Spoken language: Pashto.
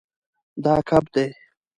دا کب دی